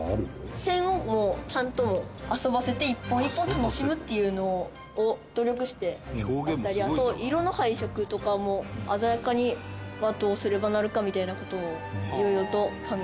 線をちゃんと遊ばせて１本１本楽しむっていうのを努力してやったりあと色の配色とかも鮮やかにはどうすればなるかみたいな事をいろいろと考えて。